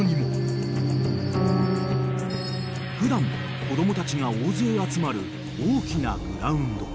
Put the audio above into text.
［普段子供たちが大勢集まる大きなグラウンド］